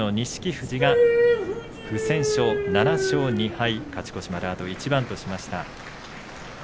富士が不戦勝７勝２敗、勝ち越しまであと一番としました。